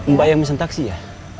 mbak yang pesen taksi ya